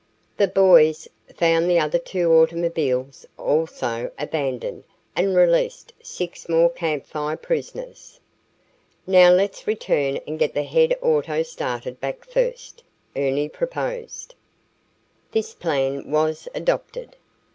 The boys found the other two automobiles also abandoned and released six more Camp Fire prisoners. "Now let's return and get the head auto started back first," Ernie proposed. This plan was adopted.